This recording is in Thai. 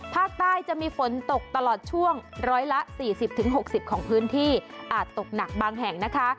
ภาคใต้จะมีฝนตกตลอดช่วงร้อยละ๔๐๖๐ของพื้นที่อาจตกหนักบางแห่งนะคะ